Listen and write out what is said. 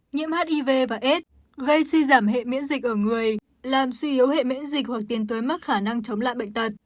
nhiễm hiv và s gây suy giảm hệ miễn dịch ở người làm suy yếu hệ miễn dịch hoặc tiến tới mất khả năng chống lại bệnh tật